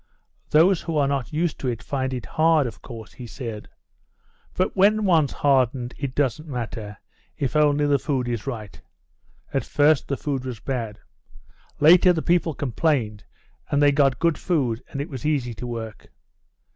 "Those who are not used to it find it hard, of course," he said; "but when one's hardened it doesn't matter, if only the food is right. At first the food was bad. Later the people complained, and they got good food, and it was easy to work."